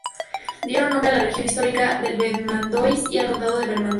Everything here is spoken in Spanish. Dieron nombre a la región histórica del Vermandois y al condado de Vermandois.